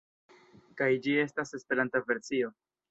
Kaj ĝi estas Esperanta versio.